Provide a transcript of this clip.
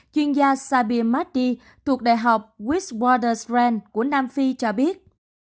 chuyên gia sabir mahdi thuộc đại học westwater s rand của nam phi cho biết